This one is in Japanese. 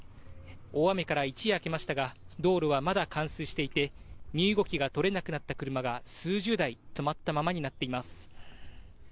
大雨から一夜明けましたが、道路はまだ冠水していて、身動きが取れなくなった車が、数十台止まったままになっています。